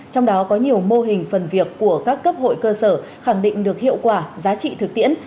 trong đó có nhiều mô hình phần việc của các cấp hội cơ sở khẳng định được hiệu quả giá trị thực tiễn